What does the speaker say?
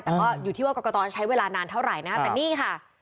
แต่ก็อยู่ที่ว่ากรกตจะใช้เวลานานเท่าไหร่นะแต่นี่ค่ะ